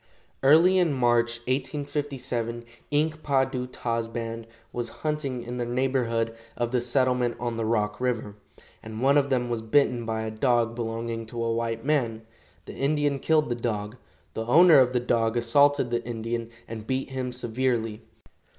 Early in March, 1857, Ink pa du ta's band was hunting in the neighborhood of the settlement on the Rock river, and one of them was bitten by a dog belonging to a white man. The Indian killed the dog. The owner of the dog assaulted the Indian, and beat him severely.